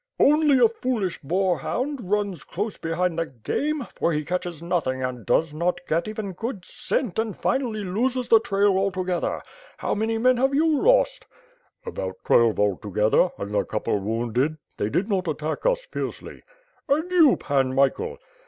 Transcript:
"Only a foolish boarhound runs close behind the game, for he catches nothing and does not get even good scent and WITE FIRE AND SWORD. 503 finally loses the trail altogether. How many men have you lost?'^ "About twelve altogether, and a couple wounded. They did not attack us fiercely." "And you. Pan Michael?"